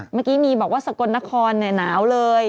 เมื่อกี้มีบอกว่าสกลนครหนาวเลย